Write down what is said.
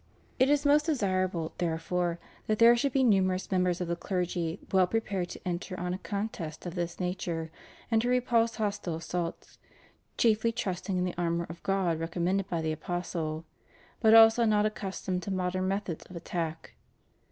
It is most desirable, therefore, that there should be numerous mem bers of the clergy well prepared to enter on a contest of this nature, and to repulse hostile assaults, chiefly trusting in the armor of God recommended by the Apostle,^ but also not unaccustomed to modern methods of attack.